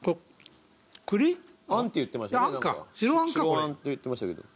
あんって言ってましたね